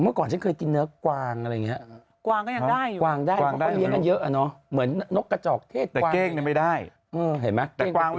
เมื่อก่อนฉันเคยกินเนื้อกวางอะไรอย่างนี้กวางก็ยังได้อยู่กวางได้เพราะว่าเลี้ยงกันเยอะอ่ะเนาะเหมือนนกกระจอกเทศกวาง